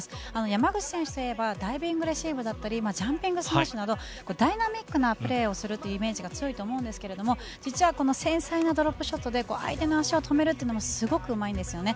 山口選手といえばダイビングレシーブだったりジャンピングスマッシュなどダイナミックなプレーをするというイメージが強いと思いますが実は繊細なドロップショットで相手の足を止めるのもすごくうまいんですよね。